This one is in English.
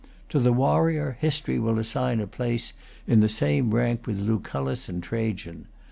To the warrior, history will assign a place in the same rank with Lucullus and Trajan.